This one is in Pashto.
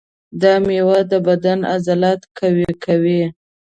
دا مېوه د بدن عضلات قوي کوي.